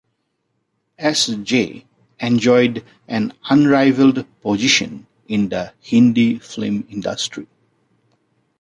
S-J enjoyed an unrivaled position in the Hindi film industry.